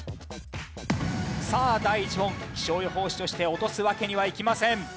さあ第１問気象予報士として落とすわけにはいきません。